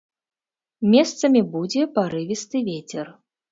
Месцамі будзе парывісты вецер.